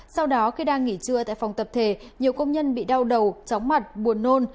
sau đó khi đang nghỉ trưa tại phòng tập thể nhiều công nhân bị đau đầu chóng mặt buồn nôn